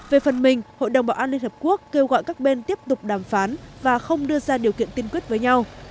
về phần mình hội đồng bảo an liên hợp quốc kêu gọi các bên tiếp tục đàm phán và không đưa ra điều kiện tiên quyết với nhau